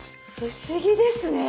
不思議ですね。